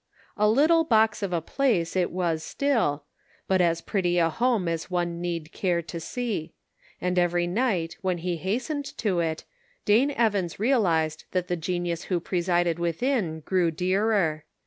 A " little box of a place " it was still, but as pretty a home as one need care to see ; and every night when he hastened to it, Dane Evans realized that the genius who presided within grew dearer.